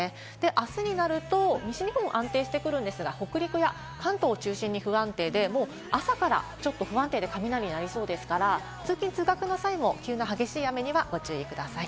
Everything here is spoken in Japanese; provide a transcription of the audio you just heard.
あすになると西日本は安定してくるんですが、北陸や関東を中心に不安定で、朝からちょっと不安定で雷がなりそうですから、通勤・通学の際も急な激しい雨にはご注意ください。